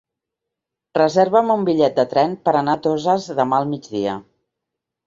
Reserva'm un bitllet de tren per anar a Toses demà al migdia.